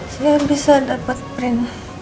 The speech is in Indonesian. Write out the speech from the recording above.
saya bisa dapat print